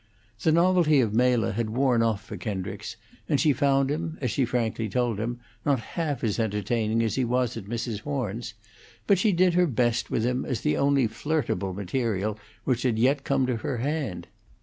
The novelty of Mela had worn off for Kendricks, and she found him, as she frankly told him, not half as entertaining as he was at Mrs. Horn's; but she did her best with him as the only flirtable material which had yet come to her hand.